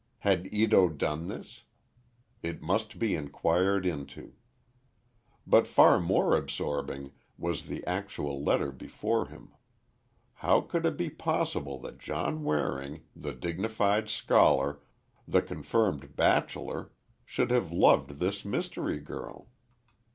Had Ito done this? It must be inquired into. But far more absorbing was the actual letter before him. How could it be possible that John Waring, the dignified scholar, the confirmed bachelor, should have loved this mystery girl?